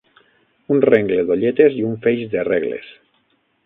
Un rengle d'olletes i un feix de regles.